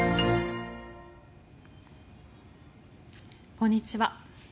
こんにちは。